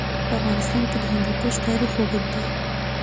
په افغانستان کې د هندوکش تاریخ اوږد دی.